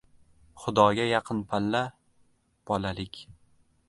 Xudoga yaqin palla – bolalik.